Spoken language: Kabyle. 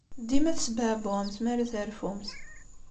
Dima tesbeɛbuɛemt mi ara terfumt.